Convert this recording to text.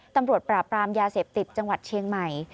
ตำรวจปราบปรามยาเสพติดจังหวัดเชียงใหม่